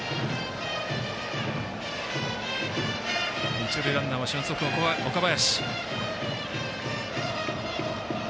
一塁ランナーは俊足、岡林。